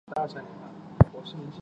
有时会加入醋或柠檬汁调味。